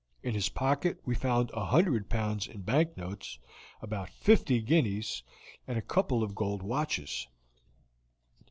In his pocket we found a hundred pounds in bank notes, about fifty guineas, and a couple of gold watches."